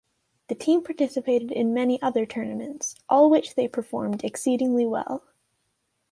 The team participated in many other tournaments, all which they performed exceedingly well.